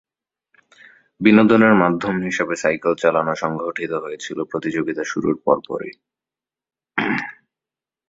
বিনোদনের মাধ্যম হিসাবে সাইকেল চালানো সংগঠিত হয়েছিল প্রতিযোগিতা শুরুর পর পরই।